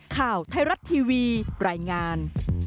ข่าวไทยรัฐทีวีรายงาน